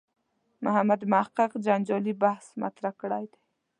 محمد محق جنجالي بحث مطرح کړی دی.